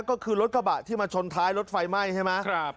ก็คือรถกระบะที่มาชนท้ายรถไฟไหม้ใช่ไหม